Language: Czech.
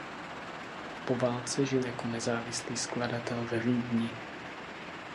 Po válce žil jako nezávislý skladatel ve Vídni.